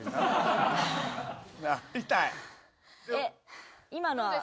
痛い？